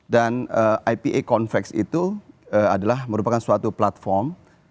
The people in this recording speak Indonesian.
ipa convex itu adalah merupakan suatu platform